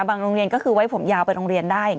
โรงเรียนก็คือไว้ผมยาวไปโรงเรียนได้